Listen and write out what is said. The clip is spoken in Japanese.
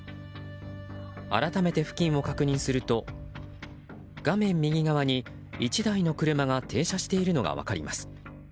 改めて付近を確認すると画面右側に１台の車が停車しているのが分かります。